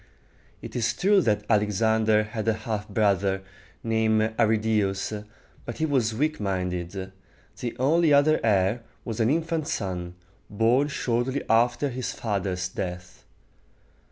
It is true that Alexander had a half brother, named Ar ri dæ´us, but he was weak minded. The only other heir was an infant son, born shortly after his father's death.